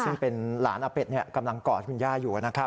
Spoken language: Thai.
ซึ่งเป็นหลานอาเป็ดกำลังกอดคุณย่าอยู่นะครับ